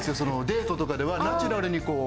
デートとかではナチュラルにこう。